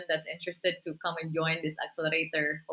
datang dan bergabung dengan accelerator